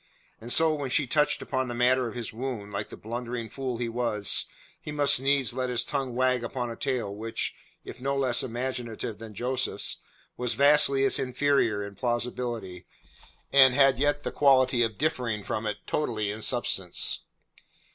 And so when she touched upon the matter of his wound, like the blundering fool he was, he must needs let his tongue wag upon a tale which, if no less imaginative than Joseph's, was vastly its inferior in plausibility and had yet the quality of differing from it totally in substance.